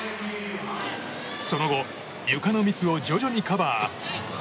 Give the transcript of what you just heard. その後、ゆかのミスを徐々にカバー。